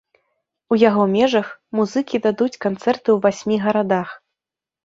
У яго межах музыкі дадуць канцэрты ў васьмі гарадах.